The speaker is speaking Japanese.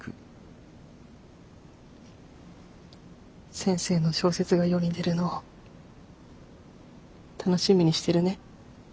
先生の小説が世に出るのを楽しみにしてるね。